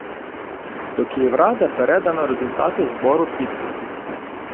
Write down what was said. До Київради передано результати збору підписів.